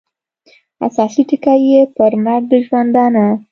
اساسي ټکي یې پر مرګ د ژوندانه